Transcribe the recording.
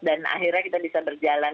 dan akhirnya kita bisa berjalan